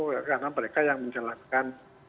karena mereka yang menjalankan